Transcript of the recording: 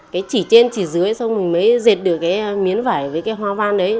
cái chỉ trên chỉ dưới xong mình mới dệt được cái miếng vải với cái hoa văn đấy